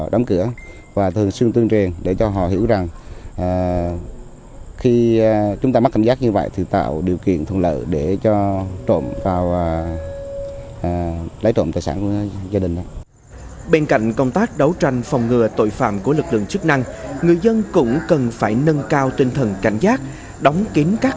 đồng thời kết hợp tuyên truyền để người dân biết về phương thức thủ đoàn của tội phạm trộm cắp